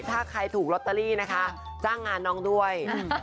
ถ้าใครถูกลอตเตอรี่นะคะจ้างงานน้องด้วย